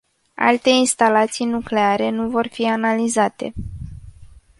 Alte instalații nucleare nu vor fi analizate.